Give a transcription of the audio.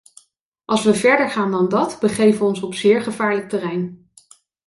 Als we verder gaan dan dat, begeven we ons op zeer gevaarlijk terrein.